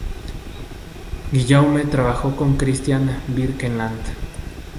Guillaume trabajó con Kristian Birkeland.